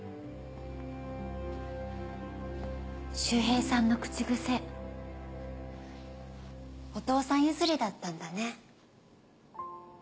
修平さんの口ぐせお父さん譲りだったんだね。